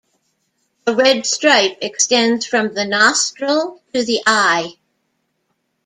A red stripe extends from the nostril to the eye.